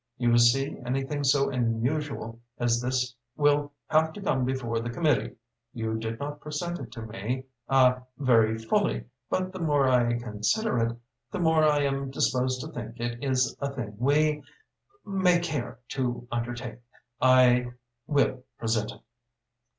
You see anything so unusual as this will have to come before the committee. You did not present it to me ah very fully, but the more I consider it, the more I am disposed to think it is a thing we may care to undertake. I will present it."